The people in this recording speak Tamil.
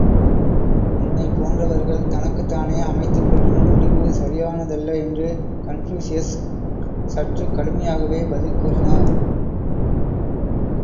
உன்னைப் போன்றவர்கள் தனக்குத்தானே அமைத்து கொள்ளும் முடிவு சரியானதல்ல என்று கன்பூசியஸ் சற்றுக் கடுமையாகவே பதில் கூறினார்.